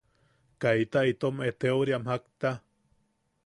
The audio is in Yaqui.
–Kaita itom eʼeteoriam, kaita.